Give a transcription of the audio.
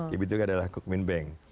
kb itu adalah cookmin bank